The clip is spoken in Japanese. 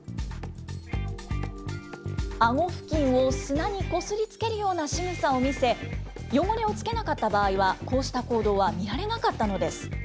あご付近を砂にこすりつけるようなしぐさを見せ、汚れをつけなかった場合は、こうした行動は見られなかったのです。